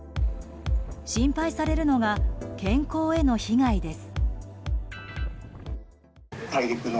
心配されるのが健康への被害です。